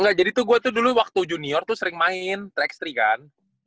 enggak jadi tuh gue tuh dulu waktu junior tuh sering main tiga x tiga kan